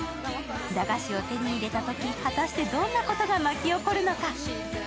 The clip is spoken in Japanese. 駄菓子を手に入れたとき果たしてどんなことが巻き起こるのか。